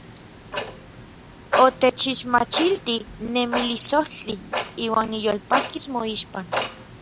Otechixmachiltij nemilisojtli; iuan niyolpakis moixpan.